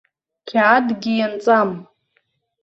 Қьаадгьы ианҵам.